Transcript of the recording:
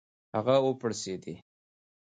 هغه و پړسېډی .